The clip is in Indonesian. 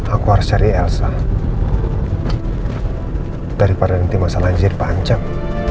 aku harus cari elsa daripada nanti masalahnya jadi panjang